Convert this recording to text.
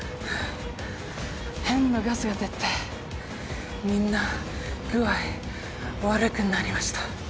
変なガスが出てみんな具合悪くなりました